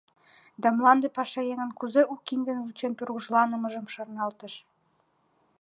Да мланде пашаеҥын кузе у киндым вучен тургыжланымыжым шарналтыш.